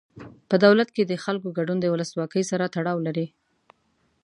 په دولت کې د خلکو ګډون د ولسواکۍ سره تړاو لري.